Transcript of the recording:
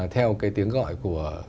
theo tiếng gọi của